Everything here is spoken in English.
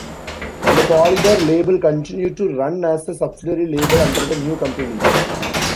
The "Polydor" label continued to run as a subsidiary label under the new company.